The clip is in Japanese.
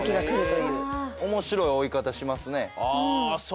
面白い追い方しますね。